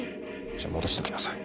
じゃ戻してきなさい。